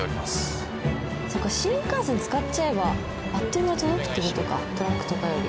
そうか新幹線使っちゃえばあっという間に届くっていう事かトラックとかより。